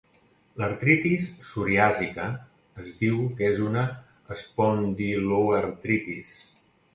L'artritis psoriàsica es diu que és una espondiloartritis.